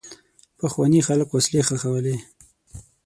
پخواني خلک وسلې ښخولې.